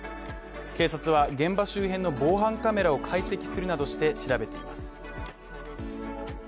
警察は現場周辺の防犯カメラを解析するなどして調べています